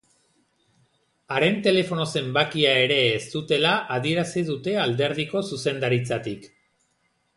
Haren telefono zenbakia ere ez dutela adierazi dute alderdiko zuzendaritzatik.